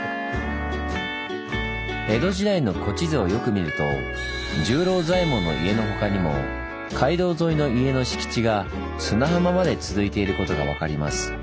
江戸時代の古地図をよく見ると十郎左衛門の家のほかにも街道沿いの家の敷地が砂浜まで続いていることが分かります。